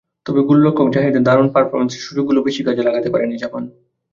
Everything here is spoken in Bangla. তবে গোলরক্ষক জাহিদের দারুণ পারফরম্যান্সে সুযোগগুলো বেশি কাজে লাগাতে পারেনি জাপান।